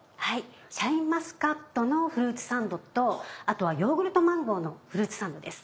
シャインマスカットのフルーツサンドとあとはヨーグルトマンゴーのフルーツサンドです。